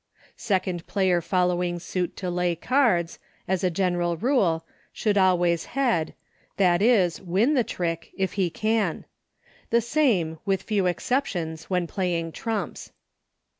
Second player following suit to lay cards, as a general rule, should always head, that is win the trick, if he can. The same, with few exceptions, when playing trumps.